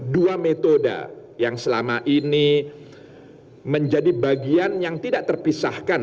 dua metode yang selama ini menjadi bagian yang tidak terpisahkan